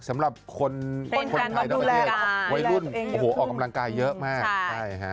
สำหรับคนคนไทยทั้งประเทศวัยรุ่นโอ้โหออกกำลังกายเยอะมากใช่ฮะ